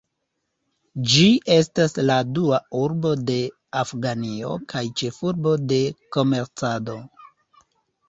Ĝi estas la dua urbo de Afganio kaj ĉefurbo de komercado.